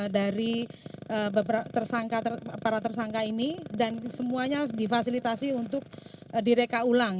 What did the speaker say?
dari para tersangka ini dan semuanya difasilitasi untuk direka ulang